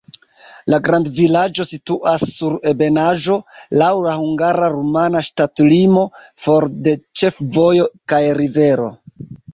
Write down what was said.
La grandvilaĝo situas sur ebenaĵo, laŭ la hungara-rumana ŝtatlimo, for de ĉefvojo kaj rivero.